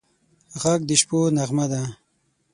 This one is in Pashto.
غږ د شپو نغمه ده